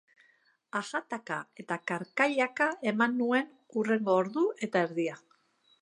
Ajataka eta karkailaka eman nuen hurrengo ordu eta erdia.